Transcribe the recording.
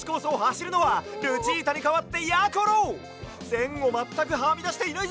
せんをまったくはみだしていないぞ！